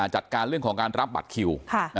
จัดการเรื่องของการรับบัตรคิว